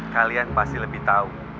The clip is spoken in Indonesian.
kalian pasti lebih tau